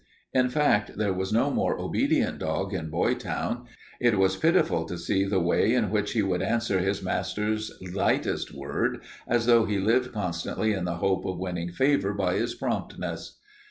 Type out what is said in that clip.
In fact, there was no more obedient dog in Boytown. It was pitiful to see the way in which he would answer his master's lightest word, as though he lived constantly in the hope of winning favor by his promptness.